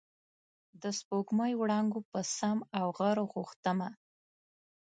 د سپوږمۍ وړانګو په سم او غر غوښتمه